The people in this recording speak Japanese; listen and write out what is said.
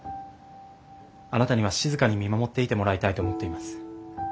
あなたには静かに見守っていてもらいたいと思っています。